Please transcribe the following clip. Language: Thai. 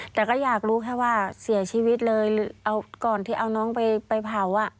แต่ก็อยากรู้แค่ว่าเสียชีวิตเลยเอาก่อนที่เอาน้องไปเผาอ่ะ